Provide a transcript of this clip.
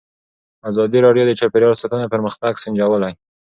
ازادي راډیو د چاپیریال ساتنه پرمختګ سنجولی.